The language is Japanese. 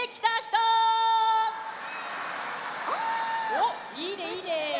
おっいいねいいね！